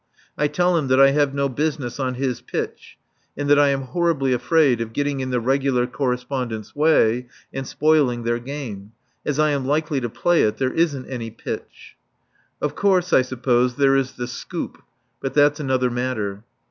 I tell him that I have no business on his pitch, and that I am horribly afraid of getting in the regular Correspondents' way and spoiling their game; as I am likely to play it, there isn't any pitch. Of course, I suppose, there is the "scoop," but that's another matter.